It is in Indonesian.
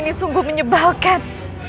walau suatu saat